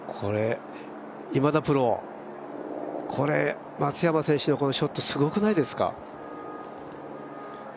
今田プロ、これ、松山選手のこのショット、すごくないですか？